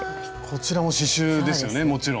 こちらも刺しゅうですよねもちろん。